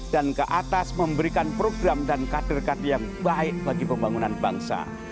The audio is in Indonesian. dan ke atas memberikan program dan kader kader yang baik bagi pembangunan bangsa